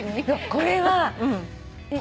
これはね